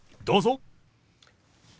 どうぞ。